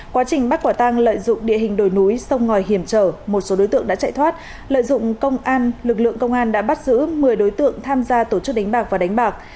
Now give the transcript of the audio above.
quá trình bắt quả tang lợi dụng địa hình đồi núi sông ngòi hiểm trở một số đối tượng đã chạy thoát lợi dụng công an lực lượng công an đã bắt giữ một mươi đối tượng tham gia tổ chức đánh bạc và đánh bạc